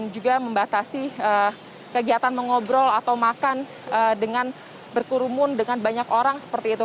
juga membatasi kegiatan mengobrol atau makan dengan berkurumun dengan banyak orang seperti itu